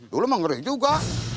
dulu mengeri juga